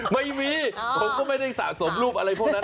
ไม่มีผมก็ไม่ได้สะสมรูปอะไรพวกนั้น